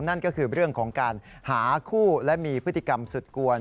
นั่นก็คือเรื่องของการหาคู่และมีพฤติกรรมสุดกวน